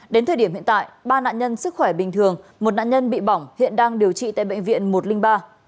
đến thời điểm hiện tại ba nạn nhân sức khỏe bình thường một nạn nhân bị bỏng hiện đang điều trị tại bệnh viện một trăm linh ba